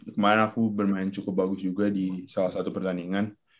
kemarin aku bermain cukup bagus juga di salah satu pertandingan